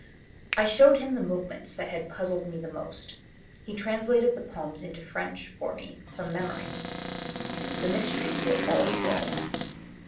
I showed him the movements that had ptmlecl me the most; he translated the poems into French for me iroiu memory. The mysteries were all solved.